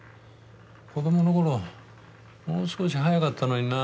子どもの頃もう少し速かったのにな。